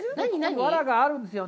わらがあるんですよね。